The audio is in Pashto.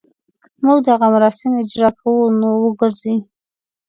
موږ دغه مراسم اجراء کوو نو وګرځي.